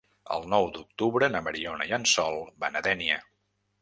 El nou d'octubre na Mariona i en Sol van a Dénia.